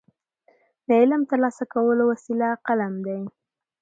د علم ترلاسه کولو وسیله قلم دی.